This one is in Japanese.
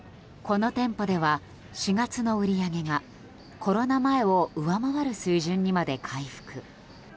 この店舗では４月の売り上げがコロナ前を上回る水準にまで回復。